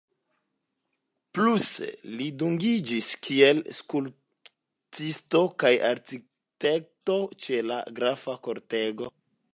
Pluse li dungiĝis kiel skulptisto kaj arkitekto ĉe la grafa kortego.